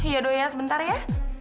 yaudah ya sebentar ya